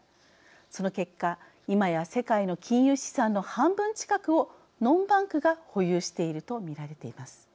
その結果今や世界の金融資産の半分近くをノンバンクが保有していると見られています。